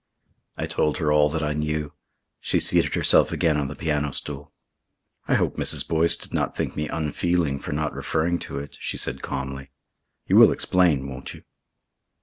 I told her all that I knew. She seated herself again on the piano stool. "I hope Mrs. Boyce did not think me unfeeling for not referring to it," she said calmly. "You will explain, won't you?"